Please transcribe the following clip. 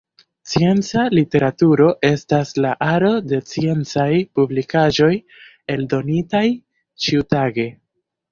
Scienca literaturo estas la aro de sciencaj publikaĵoj eldonitaj ĉiutage.